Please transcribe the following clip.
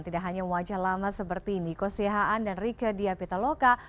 tidak hanya wajah lama seperti niko sihhaan dan rike diapitaloka